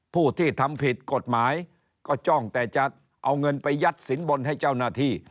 ผู้ที่ทำผิดกฎหมายก็จ้องแต่จะเอาเงินไปยัดสินบนให้เจ้าหน้าที่